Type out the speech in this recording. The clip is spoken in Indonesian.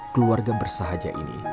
keluarga bersahaja ini